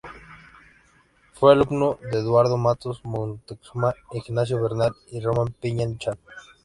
Fue alumno de Eduardo Matos Moctezuma, Ignacio Bernal y Román Piña Chan.